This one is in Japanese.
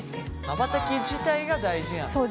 まばたき自体が大事なんですね。